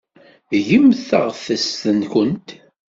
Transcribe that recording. Gemt taɣtest-nkent.